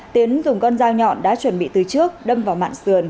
tiến dùng con dao nhọn đã chuẩn bị từ trước đâm vào mạng sườn